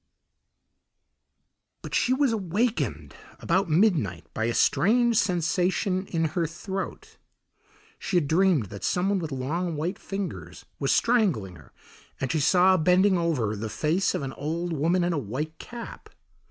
But she was awakened about midnight by a strange sensation in her throat. She had dreamed that some one with long white fingers was strangling her, and she saw bending over her the face of an old woman in a white cap.